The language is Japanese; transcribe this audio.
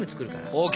ＯＫ。